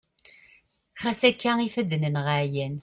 ɣas akka ifadden-nneɣ ɛyan